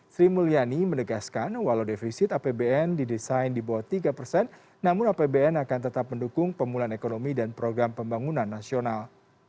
sri mulyani menegaskan walau defisit apbn didesain di bawah tiga persen namun apbn akan tetap mendukung pemulihan ekonomi dan program pembangunan nasional